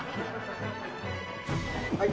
はい。